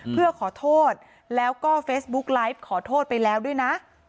เพื่อขอโทษแล้วก็เฟซบุ๊กไลฟ์ขอโทษไปแล้วด้วยนะ